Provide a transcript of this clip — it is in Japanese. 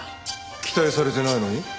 期待されてないのに？